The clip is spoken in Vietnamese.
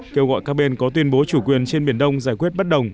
kêu gọi các bên có tuyên bố chủ quyền trên biển đông giải quyết bất đồng